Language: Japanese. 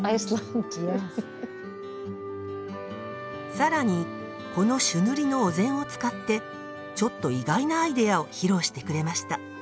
更にこの朱塗りのお膳を使ってちょっと意外なアイデアを披露してくれました。